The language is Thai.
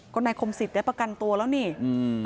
ก็นายคมสิทธิ์ได้ประกันตัวแล้วนี่อืม